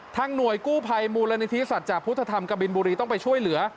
หน่วยกู้ภัยมูลนิธิสัจจาพุทธธรรมกบินบุรีต้องไปช่วยเหลือ